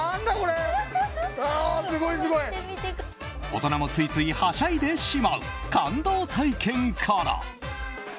大人もついついはしゃいでしまう感動体験から。